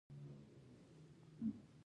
هیڅوک نشته چې د هغه پوښتنه ځواب کړي